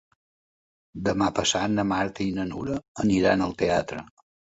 Demà passat na Marta i na Nura aniran al teatre.